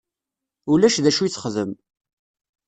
Ulac d acu i texdem.